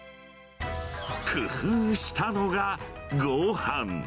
工夫したのが、ごはん。